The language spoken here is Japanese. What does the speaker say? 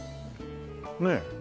ねえ。